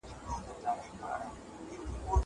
زه پرون ږغ واورېد.